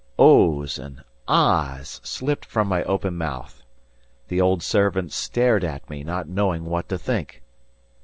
"Ohs!" and "Ahs!" slipped from my open mouth. The old servant stared at me, not knowing what to think.